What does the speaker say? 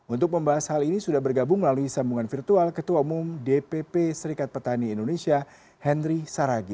untuk membahas hal ini sudah bergabung melalui sambungan virtual ketua umum dpp serikat petani indonesia henry saragi